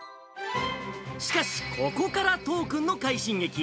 しかし、ここから都央君の快進撃。